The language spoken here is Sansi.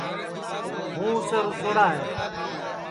ہُوں سِیتکِیاس رُسوڑا ہے